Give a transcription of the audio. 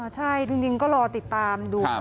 ใช่จริงก็รอติดตามดู